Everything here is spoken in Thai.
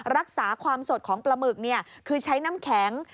รักษาความสดของปลาหมึกคือใช้น้ำแข็ง